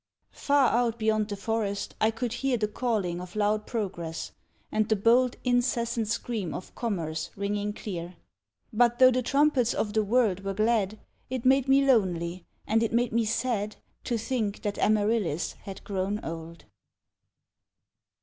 Far out beyond the forest I could hear The calling of loud progress, and the bold Incessant scream of commerce ringing clear; But though the trumpets of the world were glad, It made me lonely and it made me sad To think that Amaryllis had grown old.